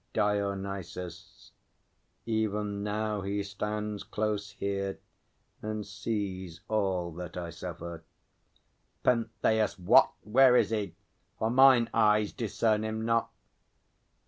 DIONYSUS. Even now he stands Close here, and sees all that I suffer. PENTHEUS. What? Where is he? For mine eyes discern him not.